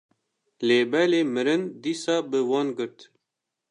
lêbelê mirin dîsa bi wan girt.